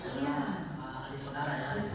adalah adik saudara ya